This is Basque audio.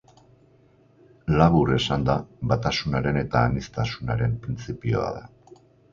Labur esanda, batasunaren eta aniztasunaren printzipioa da.